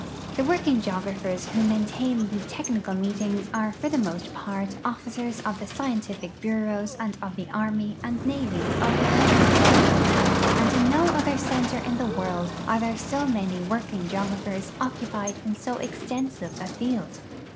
The Avorking geog raphers Avho maintain tlie technical meetings are for the most })art officers of the scientific bureaus and of the arm}' and navy of the federal government; and in no other center in the Avorld are there so many AVorking geographers occupied in so extensive a field.